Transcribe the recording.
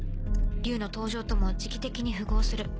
竜の登場とも時期的に符合する。